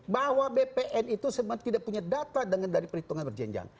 bahwa bpn itu sebenarnya tidak punya data dari perhitungan berjenjang